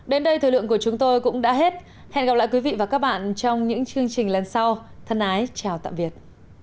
đến đây thời lượng của chúng tôi cũng đã hết hẹn gặp lại quý vị và các bạn trong những chương trình lần sau thân ái chào tạm biệt